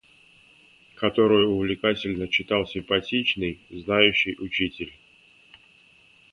которую увлекательно читал симпатичный, знающий учитель.